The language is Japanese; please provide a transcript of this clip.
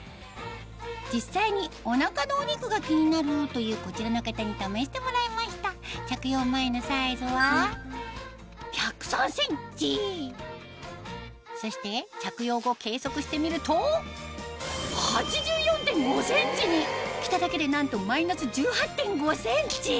実際にお腹のお肉が気になるというこちらの方に試してもらいました着用前のサイズはそして着用後計測してみると着ただけでなんとマイナス１８．５ｃｍ！